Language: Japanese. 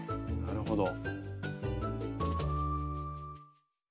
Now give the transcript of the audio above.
なるほど。